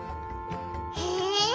へえ！